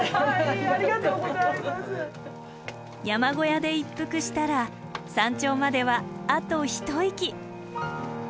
山小屋で一服したら山頂まではあと一息。